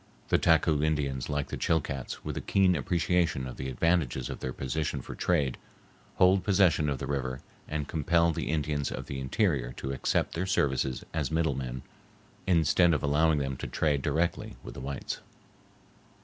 The Taku Indians, like the Chilcats, with a keen appreciation of the advantages of their position for trade, hold possession of the river and compel the Indians of the interior to accept their services as middle men, instead of allowing them to trade directly with the whites.